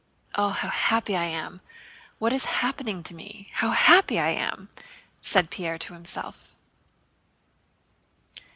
Oh, how happy I am! What is happening to me? How happy I am!" said Pierre to himself.